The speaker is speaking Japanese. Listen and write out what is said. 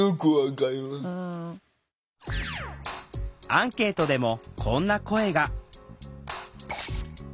アンケートでもこんな声が。